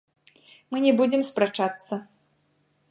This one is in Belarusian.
Мы не будзем спрачацца.